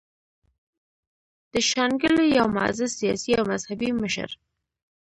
د شانګلې يو معزز سياسي او مذهبي مشر